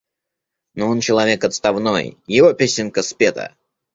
Но он человек отставной, его песенка спета.